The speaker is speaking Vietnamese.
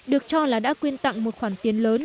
được cho là đã quyên tặng một khoản tiền lớn